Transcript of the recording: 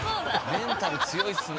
メンタル強いっすね。